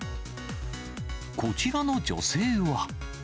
こちらの女性は。